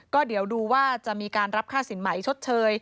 ก็เดี๋ยวดูว่าจะมีการรับค่าสินใหม่ชดเชย